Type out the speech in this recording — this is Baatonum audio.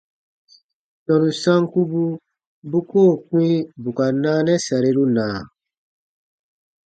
Tɔnu sankubu bu koo kpĩ bù ka naanɛ sariru na?